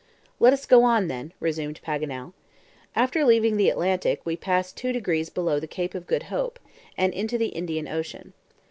"Let us go on then," resumed Paganel. "After leaving the Atlantic, we pass two degrees below the Cape of Good Hope, and into the Indian Ocean.